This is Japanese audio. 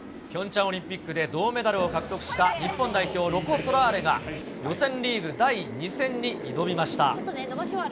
ピョンチャンオリンピックで銅メダルを獲得した日本代表、ロコ・ソラーレが、予選リーグ第２戦に挑みました。